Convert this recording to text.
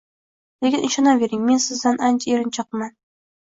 Lekin ishonavering, men sizdan ancha erinchoqroqman